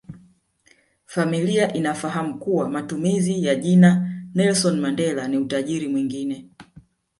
Familia inafahamu kuwa matumizi ya jina Nelson Mandela ni utajiri mwingine